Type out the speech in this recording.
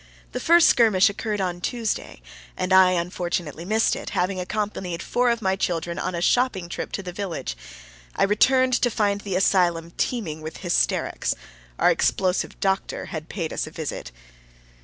The first skirmish occurred on Tuesday, and I unfortunately missed it, having accompanied four of my children on a shopping trip to the village. I returned to find the asylum teeming with hysterics. Our explosive doctor had paid us a visit.